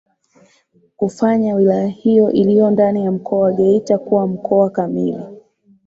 kufanya wilaya hiyo iliyo ndani ya Mkoa wa Geita kuwa Mkoa kamili